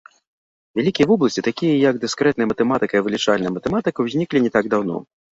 Вялікія вобласці, такія як дыскрэтная матэматыка і вылічальная матэматыка, узніклі не так даўно.